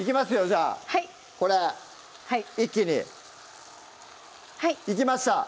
じゃあこれ一気にいきました